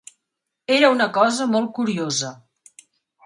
Era una cosa molt curiosa